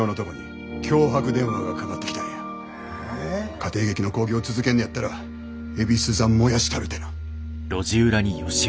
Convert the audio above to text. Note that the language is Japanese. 家庭劇の興行続けんねやったらえびす座燃やしたるてな。